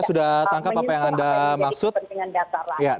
karena itu sangat menyusul hal ini jadi kepentingan dasar lagi